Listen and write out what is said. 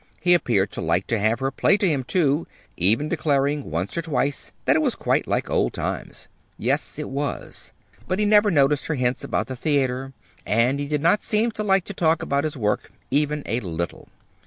He appeared to like to have her play to him, too, even declaring once or twice that it was quite like old times, yes, it was. But he never noticed her hints about the theater, and he did not seem to like to talk about his work, even a little bit.